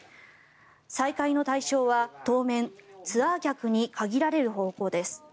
再開の対象は当面ツアー客に限られる方向です。